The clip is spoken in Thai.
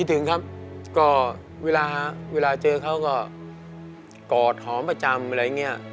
คิดถึงครับและเวลาเจอเขาก็จับหล่อประจำ